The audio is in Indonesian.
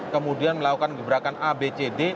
kemudian melakukan gebrakan a b c d